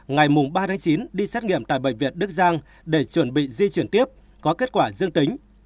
ngày ba chín đi xét nghiệm tại bệnh viện đức giang để chuẩn bị di chuyển tiếp có kết quả dương tính